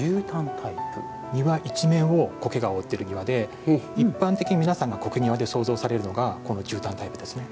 庭一面を苔が覆っている庭で一般的に皆さんが苔庭で想像されるのがこのじゅうたんタイプですね。